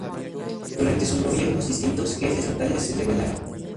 Durante sus gobiernos distintos jefes locales se rebelaron.